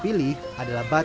tidak ada batang